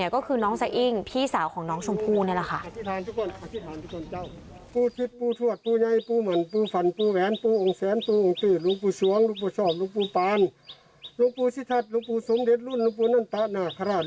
ก็คือน้องสะอิ้งพี่สาวของน้องชมพู่นี่แหละค่ะ